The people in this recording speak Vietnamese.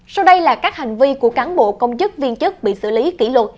sau đây là các hành vi của cán bộ công chức viên chức bị xử lý kỷ luật